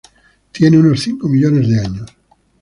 Tiene unos cinco millones de años.